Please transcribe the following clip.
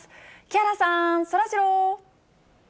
木原さん、そらジロー。